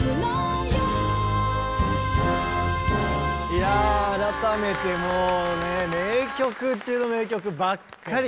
いや改めてもうね名曲中の名曲ばっかり！